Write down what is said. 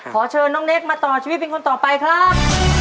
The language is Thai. ขอเชิญน้องเนคมาต่อชีวิตเป็นคนต่อไปครับ